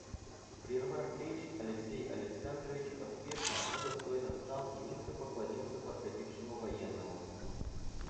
Прервав речь, Алексей Александрович поспешно, но достойно встал и низко поклонился проходившему военному.